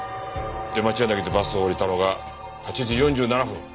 出町柳でバスを降りたのが８時４７分。